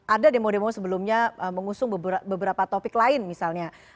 ada demo demo sebelumnya mengusung beberapa topik lain misalnya